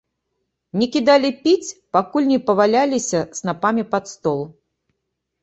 Не кідалі піць, пакуль не паваляліся снапамі пад стол.